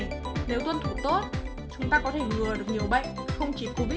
nếu tuân thủ tốt chúng ta có thể ngừa được nhiều bệnh không chỉ covid một mươi chín